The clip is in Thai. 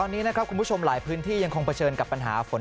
ตอนนี้นะครับคุณผู้ชมหลายพื้นที่ยังคงเผชิญกับปัญหาฝน